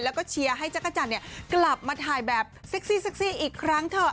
แล้วก็เชียร์ให้จักรจันทร์กลับมาถ่ายแบบเซ็กซี่เซ็กซี่อีกครั้งเถอะ